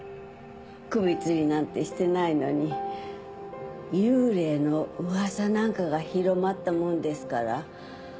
首つりなんてしてないのに幽霊の噂なんかが広まったもんですから。